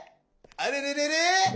あれれれれ？